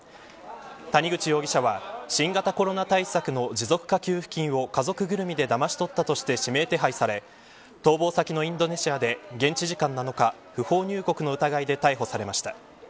谷口容疑者は、新型コロナ対策の持続化給付金を家族ぐるみでだまし取ったとされ指名手配され逃亡先のインドネシアで現地時間７日不法入国の疑いで逮捕されました。